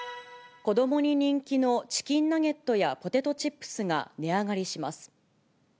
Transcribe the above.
子どもに人気のチキンナゲットやポテトチップスが値上がりします。